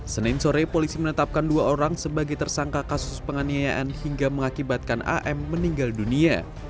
senin sore polisi menetapkan dua orang sebagai tersangka kasus penganiayaan hingga mengakibatkan am meninggal dunia